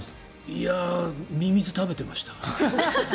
いやミミズを食べてました。